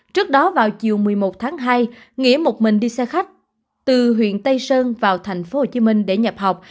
trước đó vào chiều một mươi một tháng hai nghĩa một mình đi xe khách từ huyện tây sơn vào tp hcm để nhập học